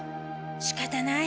しかたない。